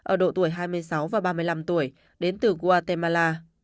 ở độ tuổi hai mươi sáu và ba mươi năm tuổi đến từ guatemala